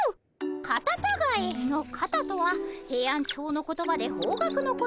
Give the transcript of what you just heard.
カタタガエの「カタ」とはヘイアンチョウの言葉で方角のこと。